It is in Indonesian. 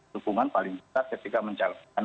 dukungan paling besar ketika menjalankan